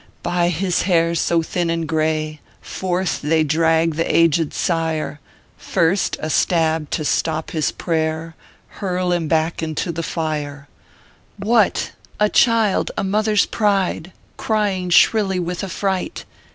"By his hair so thin and gray Forth they drag the aged sire; First, a stab to stop his pray r Hurl him back into tho fire. ORPHEUS C. KERR PAPERS. 189 " What ! a child, a mother s pride, Crying shrilly with affright!